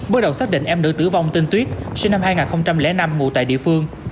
bước đầu xác định em nữ tử vong tên tuyết sinh năm hai nghìn năm ngụ tại địa phương